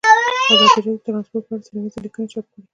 ازادي راډیو د ترانسپورټ په اړه څېړنیزې لیکنې چاپ کړي.